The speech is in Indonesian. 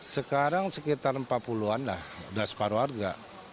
sekarang sekitar rp empat puluh an dah udah separuh harga